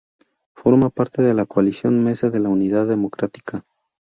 Forma parte de la coalición Mesa de la Unidad Democrática.